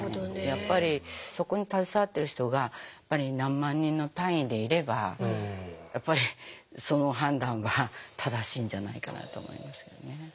やっぱりそこに携わっている人がやっぱり何万人の単位でいればその判断は正しいんじゃないかなと思いますよね。